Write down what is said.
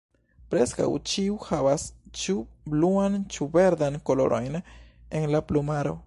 Preskaŭ ĉiu havas ĉu bluan ĉu verdan kolorojn en la plumaro.